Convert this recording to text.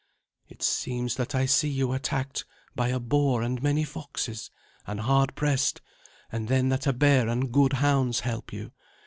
"It seems that I see you attacked by a boar and many foxes, and hard pressed, and then that a bear and good hounds help you.